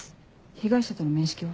被害者との面識は？